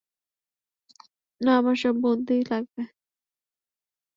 না, আমার সব বন্ধী লাগবে।